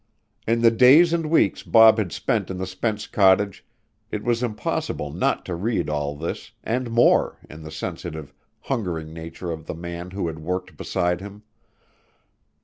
In the days and weeks Bob had spent in the Spence cottage it was impossible not to read all this and more in the sensitive, hungering nature of the man who had worked beside him.